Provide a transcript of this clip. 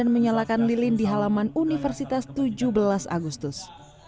pengelolaan yang terjadi di halaman universitas tujuh belas agustus